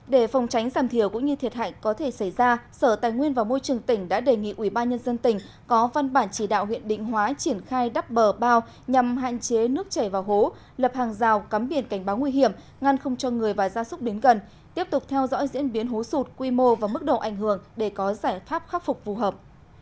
để phòng tránh giảm thiểu cũng như thiệt hạnh có thể xảy ra sở tài nguyên và môi trường tỉnh đã đề nghị ubnd tỉnh có văn bản chỉ đạo huyện định hóa triển khai đắp bờ bao nhằm hạn chế nước chảy vào hố lập hàng rào cắm biển cảnh báo nguy hiểm ngăn không cho người và gia súc đến gần tiếp tục theo dõi diễn biến hố sụt quy mô và mức độ ảnh hưởng để có giải pháp khắc phục phù hợp